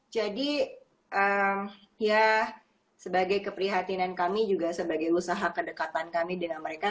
jadi ya sebagai keprihatinan kami juga sebagai usaha kedekatan kami dengan mereka